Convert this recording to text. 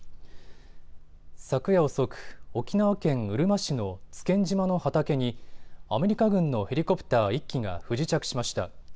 昨夜遅く、沖縄県うるま市の津堅島の畑にアメリカ軍のヘリコプター１機が不時着しました。